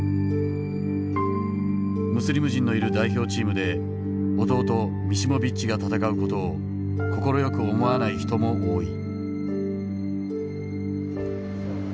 ムスリム人のいる代表チームで弟ミシモビッチが戦う事を快く思わない人も多い。